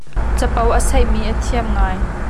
Capo a saih mi a thiam ngai.